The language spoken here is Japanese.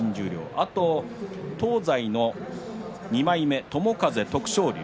あと東西の２枚目友風と徳勝龍。